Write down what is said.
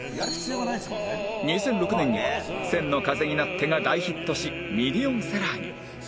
２００６年には『千の風になって』が大ヒットしミリオンセラーに